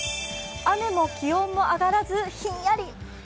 雨も気温も上がらずヒンヤリ。